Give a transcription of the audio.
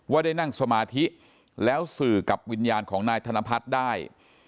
ได้นั่งสมาธิแล้วสื่อกับวิญญาณของนายธนพัฒน์ได้